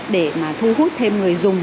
để mà thu hút thêm người dùng